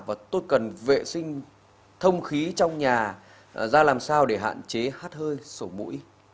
và tôi cần vệ sinh thông khí trong nhà ra làm sao để hạn chế hát hơi sổ mũi